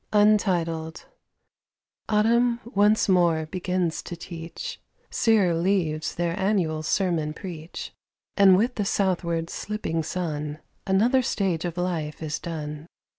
Autumn once more begins to teach; Sere leaves their annual sermon preach; And with the southward slipping sun Another stage of life is done.